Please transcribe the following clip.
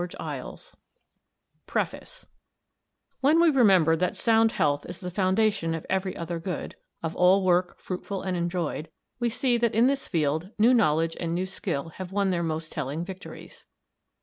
Putnam's Sons PREFACE When we remember that sound health is the foundation of every other good, of all work fruitful and enjoyed, we see that in this field new knowledge and new skill have won their most telling victories.